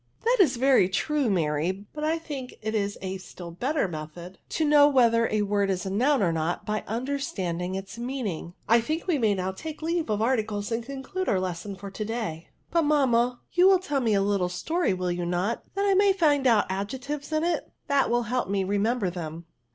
" That is yerjr true, Mary ; but I think it is a still better method to know whether a word is a noun or not, by understanding its meaning. I think we may now take leave 44 ARTICLES. of articles, and conclude our lesson for to day. " But, mammai jou will tell me a little story, will you not, that I may find out the adjectives in it ? That will help me to re member them."